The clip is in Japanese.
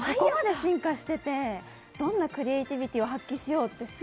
ここまで進化してって、どんなクリエイティビティを発揮しようかと。